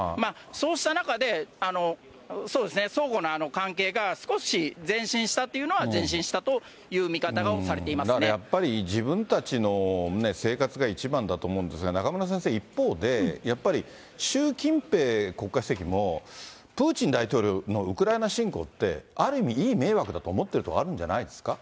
そうした中で、双方の関係が少し前進したというのは前進したという見方をされてだからやっぱり、自分たちの生活が一番だと思うんですが、中村先生、一方で、やっぱり習近平国家主席も、プーチン大統領のウクライナ侵攻って、ある意味、いい迷惑だと思ってるところがあるんじゃないんですか。